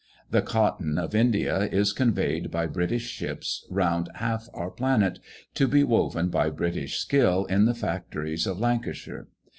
The cotton of India is conveyed by British ships round half our planet, to be woven by British skill in the factories of Lancashire.